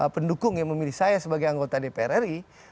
pendukung yang memilih saya sebagai anggota dpr ri